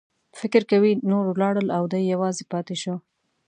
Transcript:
فکر کوي نور ولاړل او دی یوازې پاتې شو.